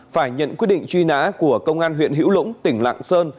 phải nhận quyết định truy nã của công an huyện hữu lũng tỉnh lạng sơn